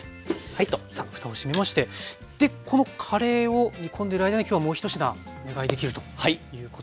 さあふたを閉めましてでこのカレーを煮込んでる間に今日はもう一品お願いできるということですね。